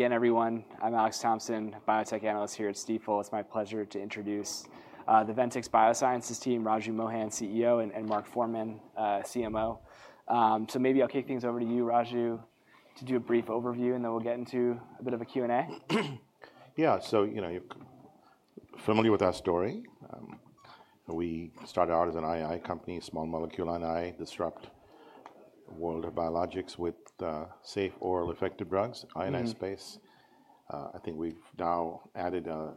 Again, everyone. I'm Alex Thompson, biotech analyst here at Stifel. It's my pleasure to introduce the Ventyx Biosciences team, Raju Mohan, CEO, and Mark Forman, CMO. So maybe I'll kick things over to you, Raju, to do a brief overview, and then we'll get into a bit of a Q&A. Yeah. So, you know, you're familiar with our story. We started out as an I&I company, small molecule I&I, disrupting the world of biologics with safe, oral-effective drugs, I&I space. I think we've now added a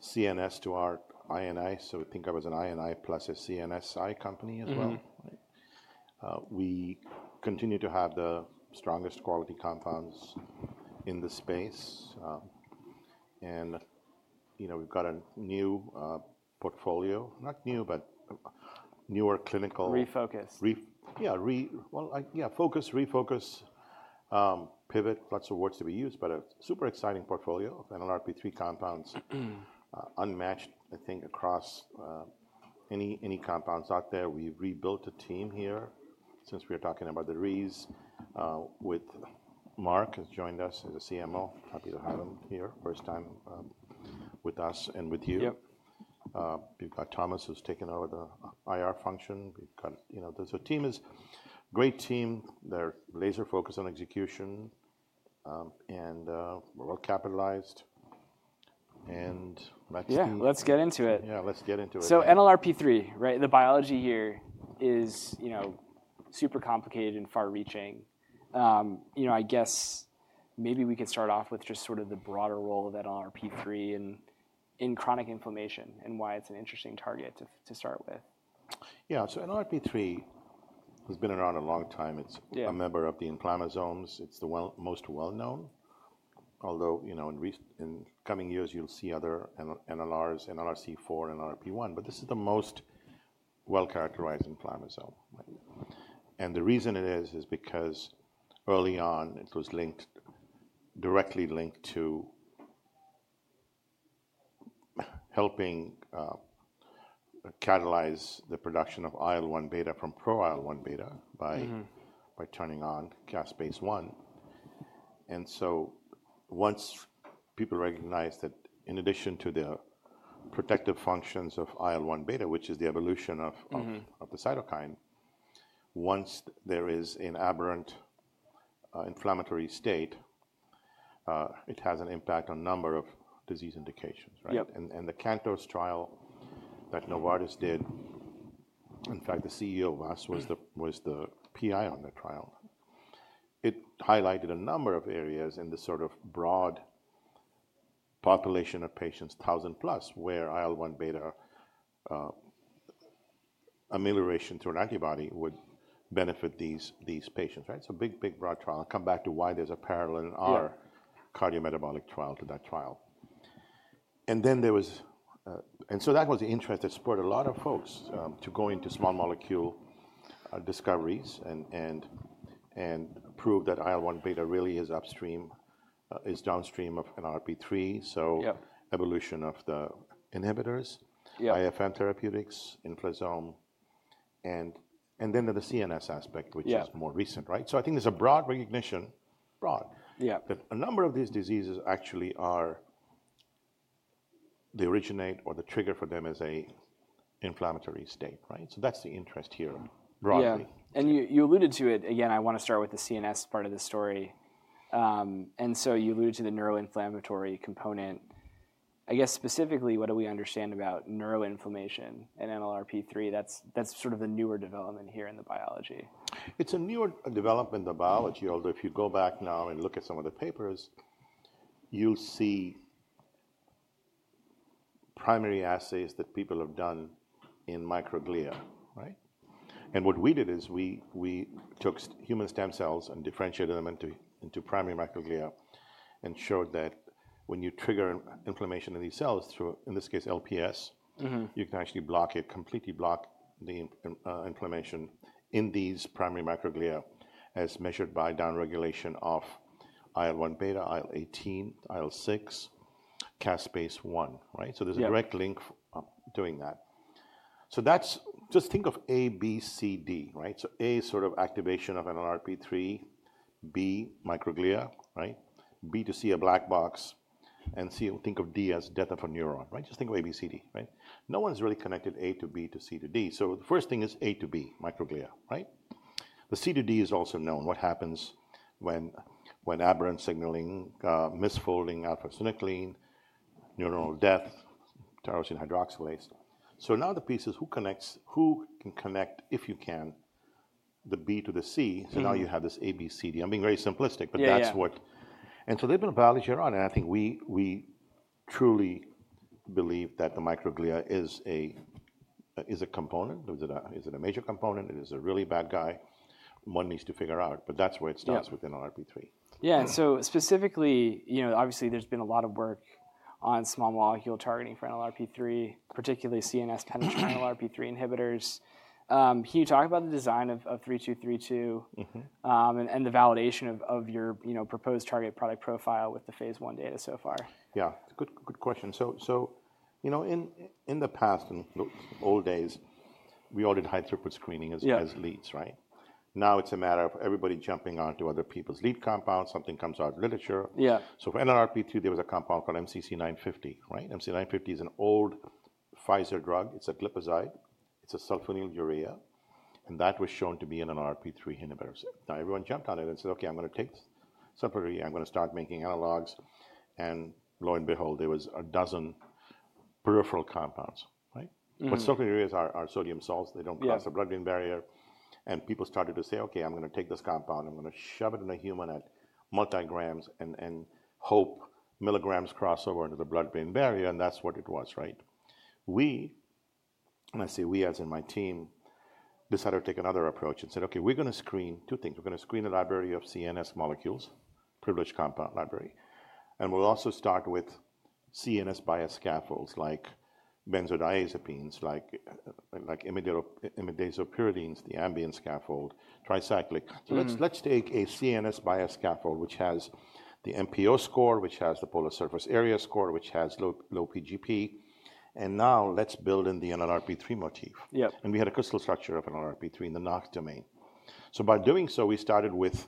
CNS to our I&I, so think of it as an I&I plus a CNS-I company as well. We continue to have the strongest quality compounds in the space. And, you know, we've got a new portfolio, not new, but newer clinical. Refocus. Yeah, well, yeah, focus, refocus, pivot, lots of words to be used, but a super exciting portfolio of NLRP3 compounds, unmatched, I think, across any compounds out there. We've rebuilt a team here since we were talking about the rest with Mark who's joined us as a CMO. Happy to have him here. First time with us and with you. We've got Thomas who's taken over the IR function. We've got, you know, so the team is a great team. They're laser-focused on execution and well-capitalized. And next to. Yeah, let's get into it. Yeah, let's get into it. NLRP3, right, the biology here is, you know, super complicated and far-reaching. You know, I guess maybe we could start off with just sort of the broader role of NLRP3 in chronic inflammation and why it's an interesting target to start with. Yeah, so NLRP3 has been around a long time. It's a member of the inflammasomes. It's the most well-known, although, you know, in coming years you'll see other NLRs, NLRC4, NLRP1, but this is the most well-characterized inflammasome, and the reason it is, is because early on it was linked, directly linked to helping catalyze the production of IL-1 beta from pro-IL-1 beta by turning on Caspase-1, and so once people recognize that in addition to the protective functions of IL-1 beta, which is the evolution of the cytokine, once there is an aberrant inflammatory state, it has an impact on a number of disease indications, right? And the CANTOS trial that Novartis did, in fact, the CEO of us was the PI on that trial, it highlighted a number of areas in the sort of broad population of patients, 1,000+, where IL-1 beta amelioration through an antibody would benefit these patients, right? So big, big broad trial. I'll come back to why there's a parallel in our cardiometabolic trial to that trial. And then there was, and so that was the interest that spurred a lot of folks to go into small molecule discoveries and prove that IL-1 beta really is upstream, is downstream of NLRP3, so evolution of the inhibitors, IFM Therapeutics, Inflazome, and then the CNS aspect, which is more recent, right? So I think there's a broad recognition, broad, that a number of these diseases actually are, they originate or the trigger for them is an inflammatory state, right? So that's the interest here broadly. Yeah. And you alluded to it again. I want to start with the CNS part of the story. And so you alluded to the neuroinflammatory component. I guess specifically, what do we understand about neuroinflammation and NLRP3? That's sort of the newer development here in the biology. It's a newer development in the biology, although if you go back now and look at some of the papers, you'll see primary assays that people have done in microglia, right? And what we did is we took human stem cells and differentiated them into primary microglia and showed that when you trigger inflammation in these cells, in this case LPS, you can actually block it, completely block the inflammation in these primary microglia as measured by downregulation of IL-1 beta, IL-18, IL-6, Caspase-1, right? So there's a direct link doing that. So that's just think of A, B, C, D, right? So A is sort of activation of NLRP3, B, microglia, right? B to C, a black box, and C, think of D as death of a neuron, right? Just think of A, B, C, D, right? No one's really connected A to B to C to D. So the first thing is A to B microglia, right? The C to D is also known, what happens when aberrant signaling, misfolding alpha-synuclein, neuronal death, tyrosine hydroxylase. So now the piece is who connects, who can connect, if you can, the B to the C? So now you have this A, B, C, D. I'm being very simplistic, but that's what, and so there've been a biology around it, and I think we truly believe that the microglia is a component. Is it a major component? Is it a really bad guy? One needs to figure out, but that's where it starts with NLRP3. Yeah. And so specifically, you know, obviously there's been a lot of work on small molecule targeting for NLRP3, particularly CNS penetrating NLRP3 inhibitors. Can you talk about the design of 3232 and the validation of your proposed target product profile with the Phase 1 data so far? Yeah. Good question. So, you know, in the past, in old days, we all did high-throughput screening as leads, right? Now it's a matter of everybody jumping onto other people's lead compounds, something comes out of literature. So for NLRP3, there was a compound called MCC950, right? MCC950 is an old Pfizer drug. It's a glyburide. It's a sulfonylurea. And that was shown to be an NLRP3 inhibitor. Now everyone jumped on it and said, okay, I'm going to take sulfonylurea, I'm going to start making analogs. And lo and behold, there was a dozen peripheral compounds, right? But sulfonylureas are sodium salts. They don't cross the blood-brain barrier. And people started to say, okay, I'm going to take this compound, I'm going to shove it in a human at multi-grams and hope milligrams cross over into the blood-brain barrier. And that's what it was, right? We, and I say we as in my team, decided to take another approach and said, okay, we're going to screen two things, we're going to screen a library of CNS molecules, privileged compound library, and we'll also start with CNS bioscaffolds like benzodiazepines, like imidazopyridines, the amidine scaffold, tricyclic, so let's take a CNS bioscaffold which has the MPO score, which has the polar surface area score, which has low P-gp, and now let's build in the NLRP3 motif, and we had a crystal structure of NLRP3 in the NACHT domain, so by doing so, we started with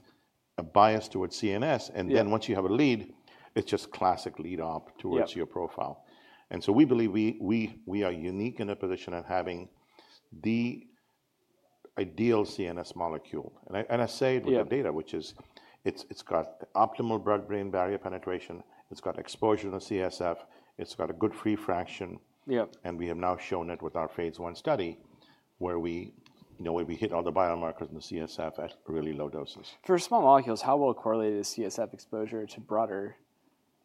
a bias towards CNS, and then once you have a lead, it's just classic lead-up towards your profile, and so we believe we are unique in a position of having the ideal CNS molecule, and I say it with the data, which is it's got optimal blood-brain barrier penetration. It's got exposure to CSF. It's got a good free fraction, and we have now shown it with our Phase 1 study where we, you know, where we hit all the biomarkers in the CSF at really low doses. For small molecules, how well correlated is CSF exposure to broader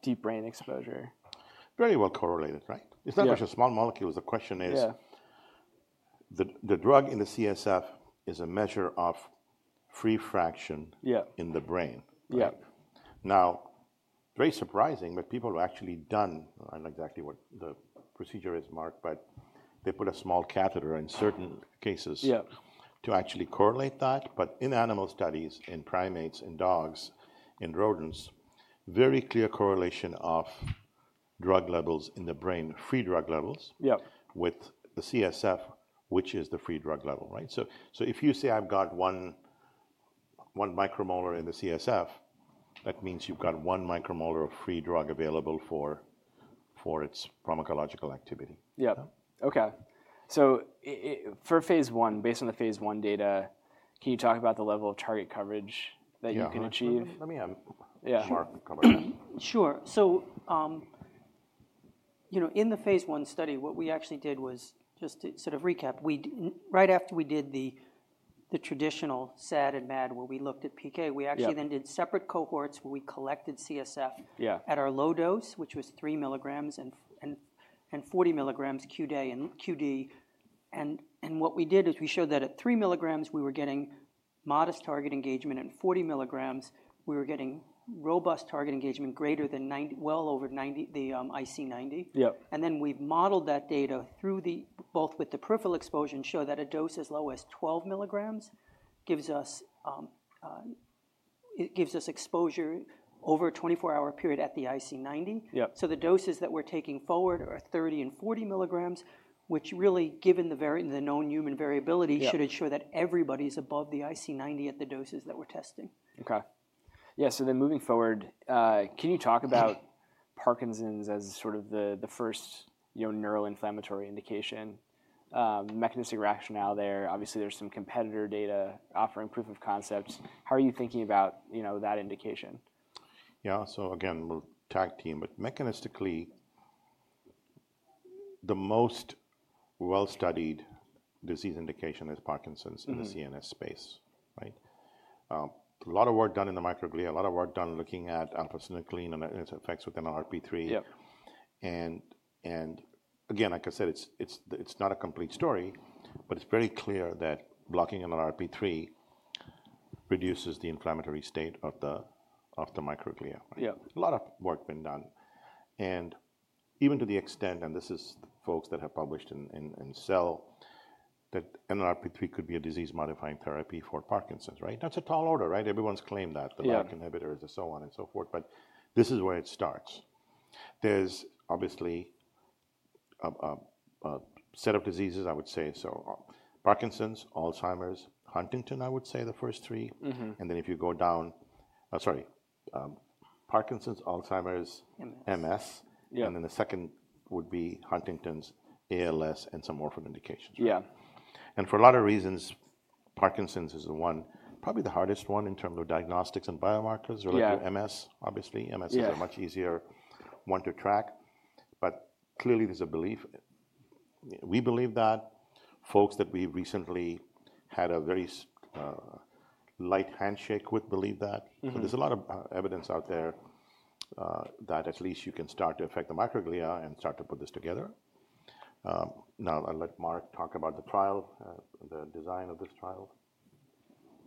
deep brain exposure? Very well correlated, right? It's not just a small molecule. The question is the drug in the CSF is a measure of free fraction in the brain, right? Now, very surprising, but people have actually done, I don't know exactly what the procedure is, Mark, but they put a small catheter in certain cases to actually correlate that. But in animal studies, in primates, in dogs, in rodents, very clear correlation of drug levels in the brain, free drug levels, with the CSF, which is the free drug level, right? So if you say I've got one micromolar in the CSF, that means you've got one micromolar of free drug available for its pharmacological activity. Yep. Okay. So for Phase 1, based on the Phase 1 data, can you talk about the level of target coverage that you can achieve? Yeah. Let me have Mark cover that. Sure. So, you know, in the Phase 1 study, what we actually did was just to sort of recap. Right after we did the traditional SAD and MAD where we looked at PK, we actually then did separate cohorts where we collected CSF at our low dose, which was 3 mg and 40 mg QD and QD. And what we did is we showed that at 3 mg we were getting modest target engagement. At 40 mg, we were getting robust target engagement greater than 90, well over 90, the IC90. And then we've modeled that data through the, both with the peripheral exposure and showed that a dose as low as 12 mg gives us, it gives us exposure over a 24-hour period at the IC90. So the doses that we're taking forward are 30 mg and 40 mg, which really, given the known human variability, should ensure that everybody's above the IC90 at the doses that we're testing. Okay. Yeah. So then moving forward, can you talk about Parkinson's as sort of the first, you know, neuroinflammatory indication? Mechanistic rationale there. Obviously, there's some competitor data offering proof of concepts. How are you thinking about, you know, that indication? Yeah. So again, we'll tag team, but mechanistically, the most well-studied disease indication is Parkinson's in the CNS space, right? A lot of work done in the microglia, a lot of work done looking at alpha-synuclein and its effects with NLRP3. And again, like I said, it's not a complete story, but it's very clear that blocking NLRP3 reduces the inflammatory state of the microglia, right? A lot of work been done. And even to the extent, and this is folks that have published in Cell, that NLRP3 could be a disease-modifying therapy for Parkinson's, right? That's a tall order, right? Everyone's claimed that, the MAO inhibitors and so on and so forth. But this is where it starts. There's obviously a set of diseases, I would say, so Parkinson's, Alzheimer's, Huntington, I would say the first three. And then if you go down, sorry, Parkinson's, Alzheimer's, MS. And then the second would be Huntington's, ALS, and some orphan indications, right? And for a lot of reasons, Parkinson's is the one, probably the hardest one in terms of diagnostics and biomarkers. We're looking at MS, obviously. MS is a much easier one to track. But clearly there's a belief. We believe that. Folks that we recently had a very light handshake with believe that. So there's a lot of evidence out there that at least you can start to affect the microglia and start to put this together. Now I'll let Mark talk about the trial, the design of this trial.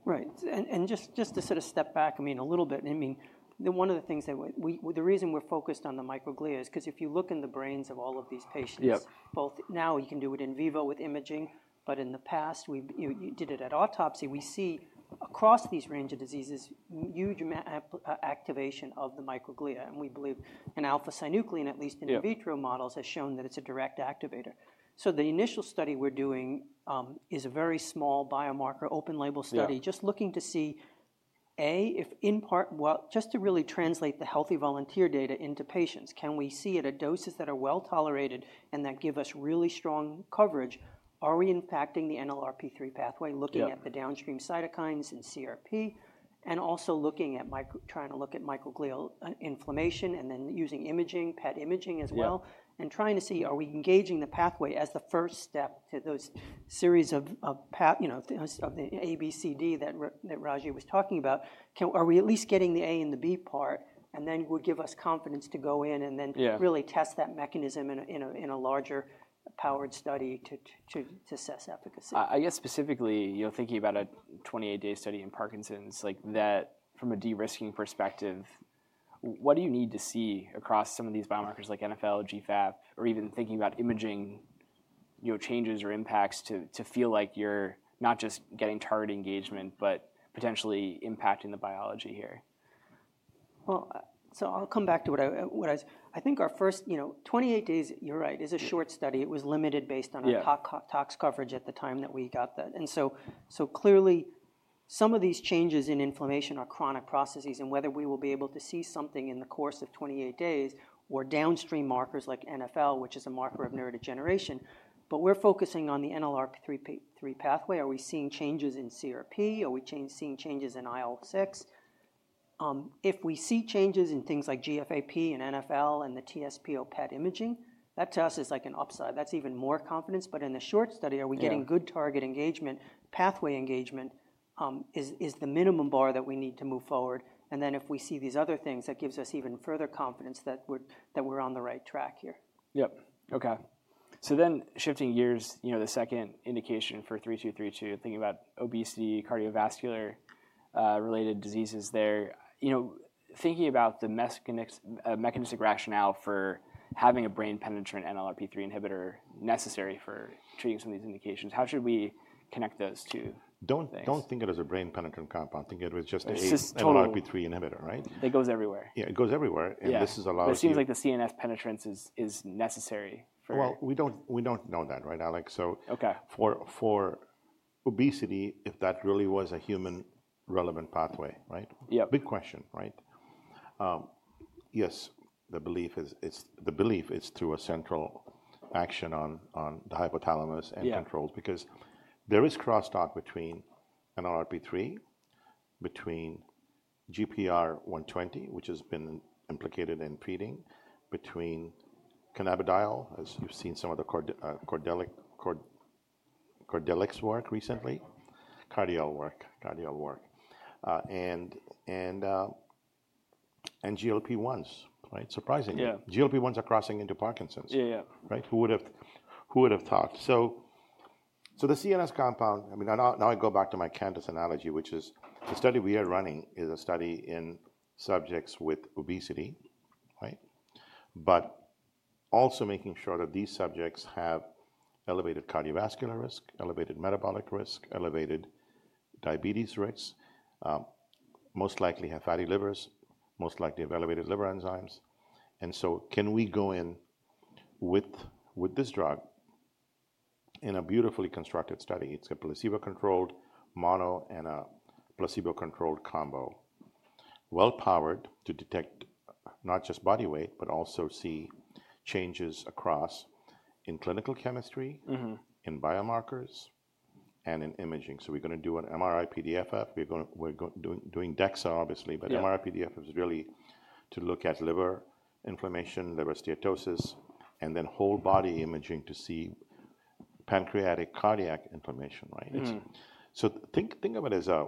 Right. And just to sort of step back, I mean, a little bit, I mean, one of the things that we, the reason we're focused on the microglia is because if you look in the brains of all of these patients, both now you can do it in vivo with imaging, but in the past we did it at autopsy, we see across these range of diseases, huge activation of the microglia. And we believe in Alpha-synuclein, at least in vitro models, has shown that it's a direct activator. The initial study we're doing is a very small biomarker open label study, just looking to see, A, if in part, well, just to really translate the healthy volunteer data into patients, can we see at doses that are well tolerated and that give us really strong coverage, are we impacting the NLRP3 pathway looking at the downstream cytokines and CRP and also looking at, trying to look at microglia inflammation and then using imaging, PET imaging as well, and trying to see are we engaging the pathway as the first step to those series of, you know, of the A, B, C, D that Raju was talking about, are we at least getting the A and the B part and then would give us confidence to go in and then really test that mechanism in a larger powered study to assess efficacy. I guess specifically, you know, thinking about a 28-day study in Parkinson's, like that from a de-risking perspective, what do you need to see across some of these biomarkers like NfL, GFAP, or even thinking about imaging, you know, changes or impacts to feel like you're not just getting target engagement, but potentially impacting the biology here? Well, so I'll come back to what I think our first, you know, 28 days, you're right, is a short study. It was limited based on our tox coverage at the time that we got that. And so clearly some of these changes in inflammation are chronic processes and whether we will be able to see something in the course of 28 days or downstream markers like NfL, which is a marker of neurodegeneration, but we're focusing on the NLRP3 pathway. Are we seeing changes in CRP? Are we seeing changes in IL-6? If we see changes in things like GFAP and NfL and the TSPO PET imaging, that to us is like an upside. That's even more confidence. But in the short study, are we getting good target engagement, pathway engagement is the minimum bar that we need to move forward. If we see these other things, that gives us even further confidence that we're on the right track here. Yep. Okay. So then shifting gears, you know, the second indication for 3232, thinking about obesity, cardiovascular-related diseases there, you know, thinking about the mechanistic rationale for having a brain penetrant NLRP3 inhibitor necessary for treating some of these indications, how should we connect those two things? Don't think of it as a brain penetrant compound. Think of it as just an NLRP3 inhibitor, right? It goes everywhere. Yeah, it goes everywhere, and this is a lot of things. So it seems like the CNS penetrance is necessary for. We don't know that, right, Alex? So for obesity, if that really was a human relevant pathway, right? Big question, right? Yes, the belief is through a central action on the hypothalamus and controls because there is crosstalk between NLRP3, between GPR120, which has been implicated in feeding, between cannabidiol, as you've seen some of the Corbus work recently, Cardiol work, and GLP-1s, right? Surprisingly, GLP-1s are crossing into Parkinson's, right? Who would have thought? So the CNS compound, I mean, now I go back to my CANTOS analogy, which is the study we are running is a study in subjects with obesity, right? But also making sure that these subjects have elevated cardiovascular risk, elevated metabolic risk, elevated diabetes risks, most likely have fatty livers, most likely have elevated liver enzymes. And so can we go in with this drug in a beautifully constructed study? It's a placebo-controlled mono and a placebo-controlled combo, well-powered to detect not just body weight, but also see changes across in clinical chemistry, in biomarkers, and in imaging. So we're going to do an MRI-PDFF. We're doing DEXA, obviously, but MRI-PDFF is really to look at liver inflammation, liver steatosis, and then whole body imaging to see pancreatic cardiac inflammation, right? So think of it as a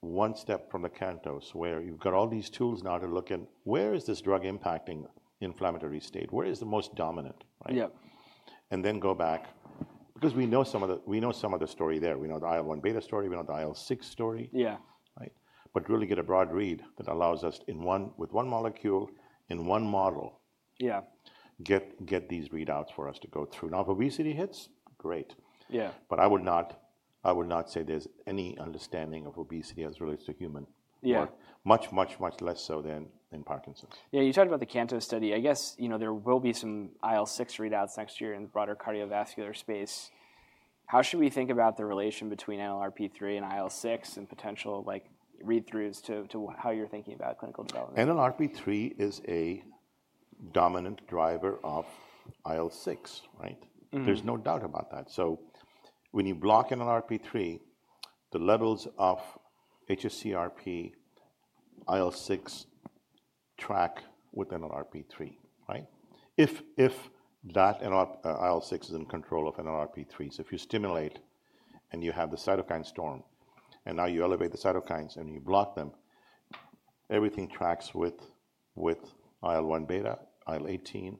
one step from the CANTOS where you've got all these tools now to look at where is this drug impacting inflammatory state? Where is the most dominant, right? And then go back because we know some of the, we know some of the story there. We know the IL-1 beta story. We know the IL-6 story, right? But really get a broad read that allows us with one molecule in one model, get these readouts for us to go through. Now, if obesity hits, great. Yeah, but I would not, I would not say there's any understanding of obesity as relates to human, much, much, much less so than in Parkinson's. Yeah. You talked about the CANTOS study. I guess, you know, there will be some IL-6 readouts next year in the broader cardiovascular space. How should we think about the relation between NLRP3 and IL-6 and potential like read-throughs to how you're thinking about clinical development? NLRP3 is a dominant driver of IL-6, right? There's no doubt about that. So when you block NLRP3, the levels of hsCRP, IL-6 track with NLRP3, right? If that IL-6 is in control of NLRP3, so if you stimulate and you have the cytokine storm and now you elevate the cytokines and you block them, everything tracks with IL-1 beta, IL-18,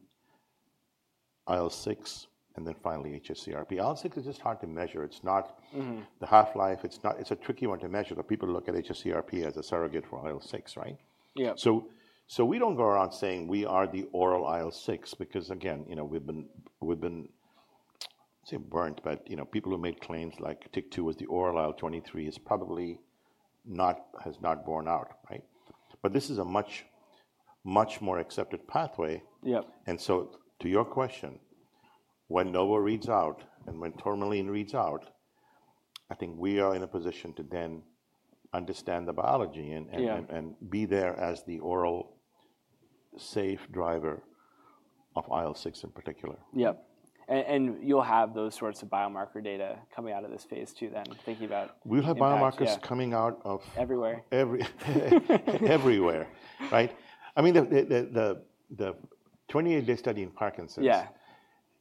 IL-6, and then finally hsCRP. IL-6 is just hard to measure. It's not the half-life. It's not, it's a tricky one to measure. But people look at hsCRP as a surrogate for IL-6, right? So we don't go around saying we are the oral IL-6 because again, you know, we've been, we've been burnt, but you know, people who made claims like TYK2 was the oral IL-23 is probably not, has not borne out, right? But this is a much, much more accepted pathway. To your question, when Novo reads out and when Tourmaline reads out, I think we are in a position to then understand the biology and be there as the oral safe driver of IL-6 in particular. Yep, and you'll have those sorts of biomarker data coming out of this phase too then, thinking about. We'll have biomarkers coming out of. Everywhere. Everywhere, right? I mean, the 28-day study in Parkinson's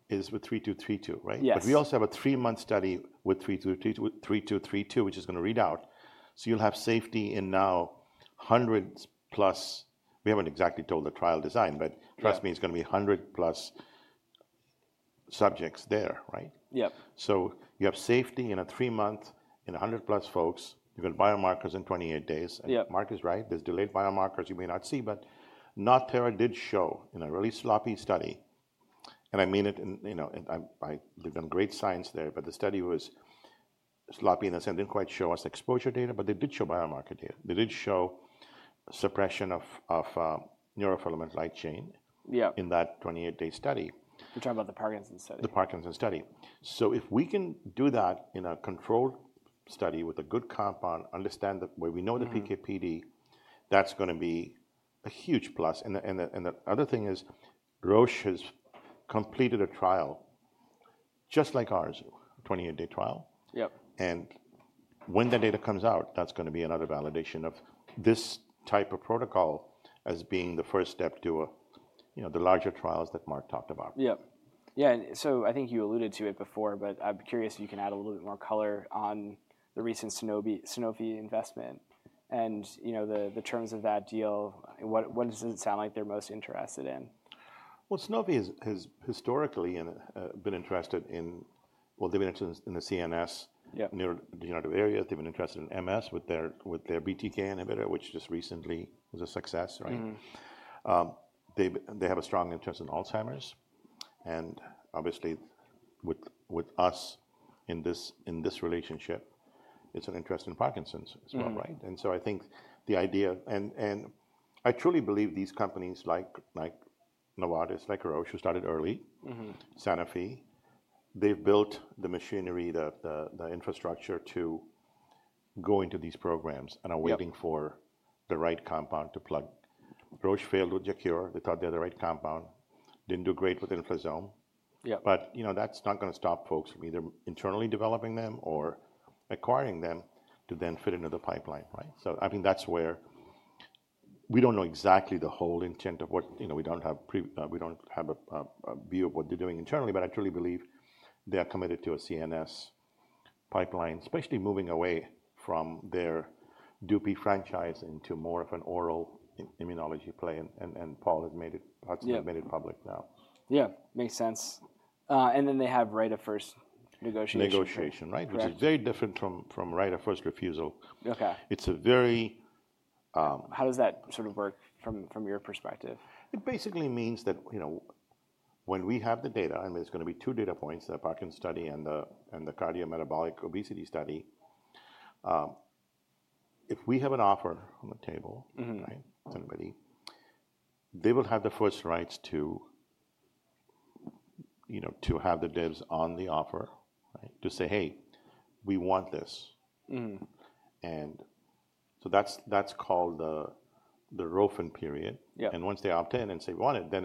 is with 3232, right? But we also have a three-month study with 3232, which is going to read out. So you'll have safety in now hundreds plus. We haven't exactly told the trial design, but trust me, it's going to be hundred plus subjects there, right? So you have safety in a three-month, in a hundred plus folks. You've got biomarkers in 28 days. And Mark is right. There's delayed biomarkers you may not see, but NodThera did show in a really sloppy study, and I mean it, you know, they've done great science there, but the study was sloppy in the sense it didn't quite show us exposure data, but they did show biomarker data. They did show suppression of neurofilament light chain in that 28-day study. You're talking about the Parkinson's study. The Parkinson's study, so if we can do that in a controlled study with a good compound, understand that where we know the PKPD, that's going to be a huge plus, and the other thing is Roche has completed a trial just like ours, 28-day trial, and when that data comes out, that's going to be another validation of this type of protocol as being the first step to, you know, the larger trials that Mark talked about. Yeah. Yeah. And so I think you alluded to it before, but I'm curious if you can add a little bit more color on the recent Sanofi investment and, you know, the terms of that deal. What does it sound like they're most interested in? Sanofi has historically been interested in, they've been interested in the CNS, neurodegenerative areas. They've been interested in MS with their BTK inhibitor, which just recently was a success, right? They have a strong interest in Alzheimer's. And obviously with us in this relationship, it's an interest in Parkinson's as well, right? And so I think the idea, and I truly believe these companies like Novartis, like Roche, who started early, Sanofi, they've built the machinery, the infrastructure to go into these programs and are waiting for the right compound to plug. Roche failed with Jecure. They thought they had the right compound. Didn't do great with Inflazome. But you know, that's not going to stop folks from either internally developing them or acquiring them to then fit into the pipeline, right? I think that's where we don't know exactly the whole intent of what, you know, we don't have a view of what they're doing internally, but I truly believe they're committed to a CNS pipeline, especially moving away from their Dupi franchise into more of an oral immunology play. And Paul has made it public now. Yeah. Makes sense. And then they have right of first negotiation. Negotiation, right? Which is very different from right of first refusal. It's a very. How does that sort of work from your perspective? It basically means that, you know, when we have the data, I mean, there's going to be two data points, the Parkinson's study and the cardiometabolic obesity study. If we have an offer on the table, right, anybody, they will have the first rights to, you know, to have the dibs on the offer, right? To say, hey, we want this. And so that's called the ROFN period. And once they opt in and say we want it, then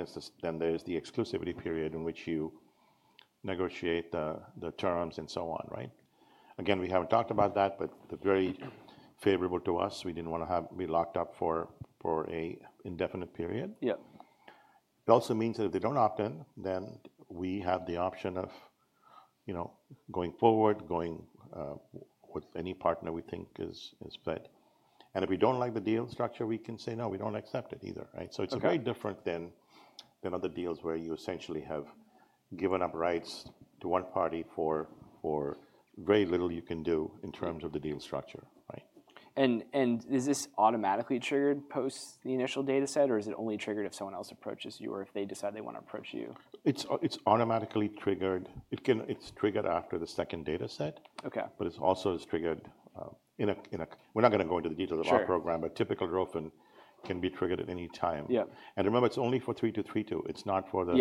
there's the exclusivity period in which you negotiate the terms and so on, right? Again, we haven't talked about that, but the very favorable to us, we didn't want to be locked up for an indefinite period. It also means that if they don't opt in, then we have the option of, you know, going forward, going with any partner we think is fit. If we don't like the deal structure, we can say no, we don't accept it either, right? It's very different than other deals where you essentially have given up rights to one party for very little you can do in terms of the deal structure, right? Is this automatically triggered post the initial data set, or is it only triggered if someone else approaches you or if they decide they want to approach you? It's automatically triggered. It's triggered after the second data set, but it's also triggered, we're not going to go into the details of our program, but typical ROFN can be triggered at any time. Remember, it's only for 3232. It's not for the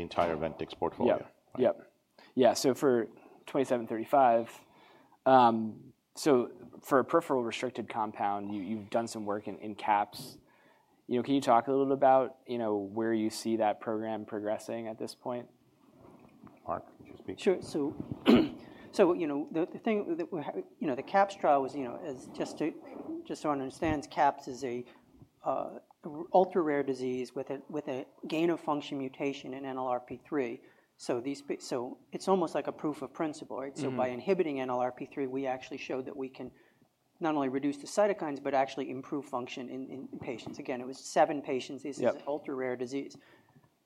entire Ventyx portfolio. Yep. Yeah. So for 2735, so for a peripheral restricted compound, you've done some work in CAPS. You know, can you talk a little about, you know, where you see that program progressing at this point? Mark, would you speak? Sure. So you know, the thing that, you know, the CAPS trial was, you know, just so one understands, CAPS is an ultra-rare disease with a gain of function mutation in NLRP3. So it's almost like a proof of principle, right? So by inhibiting NLRP3, we actually showed that we can not only reduce the cytokines, but actually improve function in patients. Again, it was seven patients. This is an ultra-rare disease.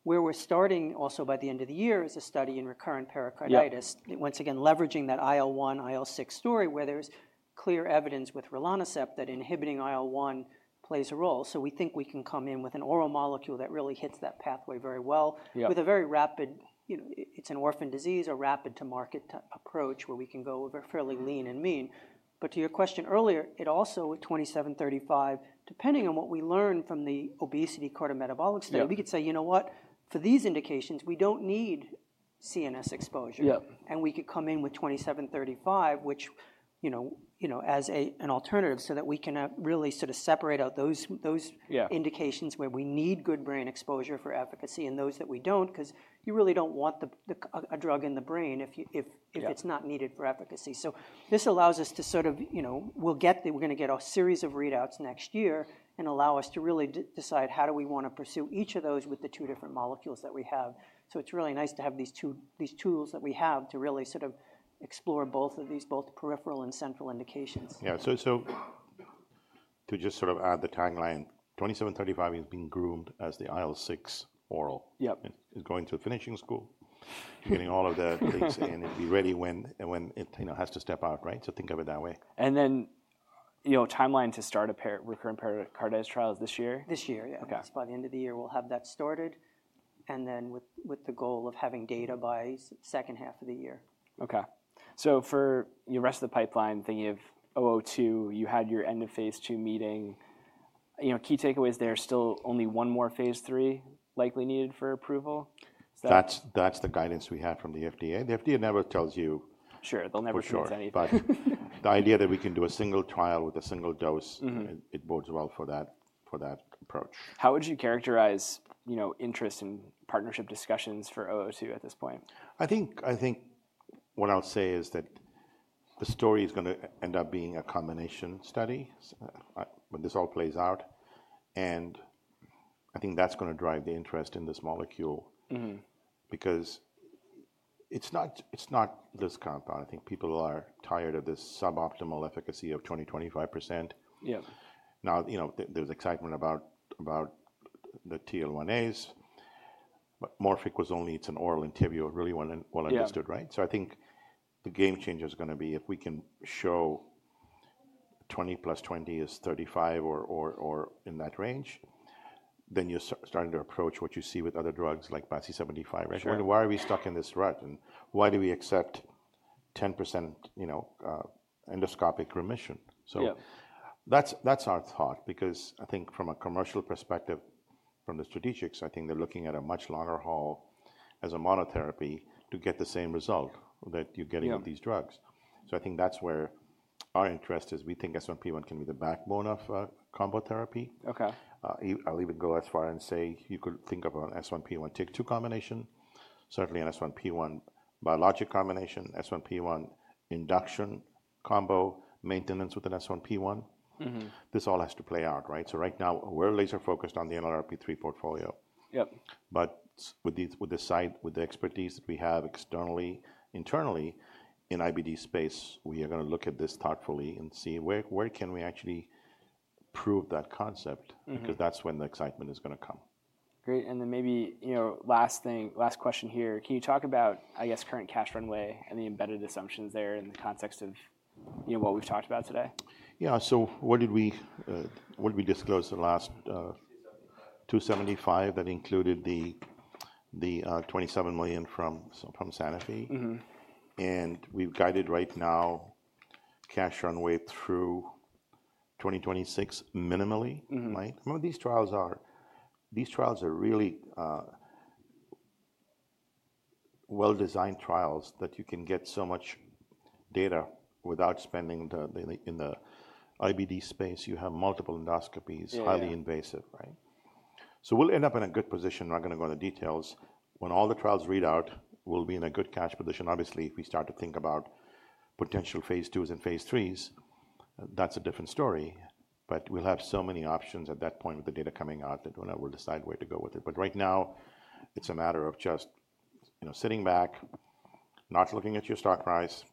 Where we're starting also by the end of the year is a study in recurrent pericarditis, once again leveraging that IL-1, IL-6 story where there's clear evidence with Rilonacept that inhibiting IL-1 plays a role. So we think we can come in with an oral molecule that really hits that pathway very well with a very rapid, you know, it's an orphan disease, a rapid-to-market approach where we can go over fairly lean and mean. But to your question earlier, it also with 2735, depending on what we learn from the obesity cardiometabolic study, we could say, you know what, for these indications, we don't need CNS exposure. And we could come in with 2735, which, you know, as an alternative so that we can really sort of separate out those indications where we need good brain exposure for efficacy and those that we don't because you really don't want a drug in the brain if it's not needed for efficacy. So this allows us to sort of, you know, we'll get, we're going to get a series of readouts next year and allow us to really decide how do we want to pursue each of those with the two different molecules that we have. So it's really nice to have these tools that we have to really sort of explore both of these, both peripheral and central indications. Yeah, so to just sort of add the tagline, 2735 has been groomed as the IL-6 oral. It's going to the finishing school, getting all of the things in, and be ready when it has to step out, right? So think of it that way. And then, you know, timeline to start a recurrent pericarditis trial is this year? This year, yeah. That's by the end of the year, we'll have that started, and then with the goal of having data by second half of the year. Okay. So for the rest of your pipeline, thinking of 002, you had your end of Phase 2 meeting. You know, key takeaways there, still only one more Phase 3 likely needed for approval? That's the guidance we have from the FDA. The FDA never tells you. Sure. They'll never produce anything. But the idea that we can do a single trial with a single dose, it bodes well for that approach. How would you characterize, you know, interest in partnership discussions for 002 at this point? I think, I think what I'll say is that the story is going to end up being a combination study when this all plays out. And I think that's going to drive the interest in this molecule because it's not this compound. I think people are tired of this suboptimal efficacy of 20%-25%. Now, you know, there's excitement about the TL1As, but Morphic was only, it's an oral entity really well understood, right? So I think the game changer is going to be if we can show 20 plus 20 is 35 or in that range, then you're starting to approach what you see with other drugs like PASI 75. Why are we stuck in this rut? And why do we accept 10%, you know, endoscopic remission? So that's our thought because I think from a commercial perspective, from the strategics, I think they're looking at a much longer haul as a monotherapy to get the same result that you're getting with these drugs. So I think that's where our interest is. We think S1P1 can be the backbone of combo therapy. I'll even go as far and say you could think of an S1P1 TYK2 combination, certainly an S1P1 biologic combination, S1P1 induction combo, maintenance with an S1P1. This all has to play out, right? So right now we're laser focused on the NLRP3 portfolio. But with the size, with the expertise that we have externally, internally in IBD space, we are going to look at this thoughtfully and see where can we actually prove that concept because that's when the excitement is going to come. Great. And then maybe, you know, last thing, last question here. Can you talk about, I guess, current cash runway and the embedded assumptions there in the context of, you know, what we've talked about today? Yeah. So what did we disclose the last $275 million that included the $27 million from Sanofi? And we've guided right now cash runway through 2026 minimally, right? I mean, these trials are really well-designed trials that you can get so much data without spending in the IBD space. You have multiple endoscopies, highly invasive, right? So we'll end up in a good position. I'm not going to go into details. When all the trials read out, we'll be in a good cash position. Obviously, if we start to think about potential Phase 2s and Phase 3s, that's a different story. But we'll have so many options at that point with the data coming out that we'll decide where to go with it. But right now it's a matter of just, you know, sitting back, not looking at your stock price,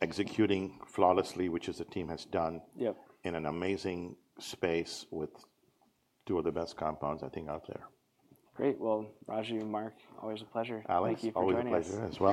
executing flawlessly, which the team has done in an amazing space with two of the best compounds I think out there. Great. Well, Raju, Mark, always a pleasure. Thank you for joining us. Thank you.